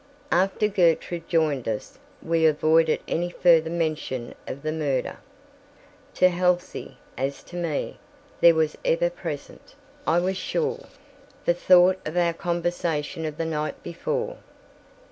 After Gertrude joined us, we avoided any further mention of the murder. To Halsey, as to me, there was ever present, I am sure, the thought of our conversation of the night before.